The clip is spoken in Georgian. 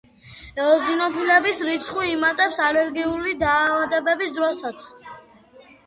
ეოზინოფილების რიცხვი იმატებს ალერგიული დაავადებების დროსაც.